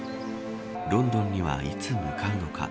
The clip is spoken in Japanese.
ロンドンにはいつ向かうのか。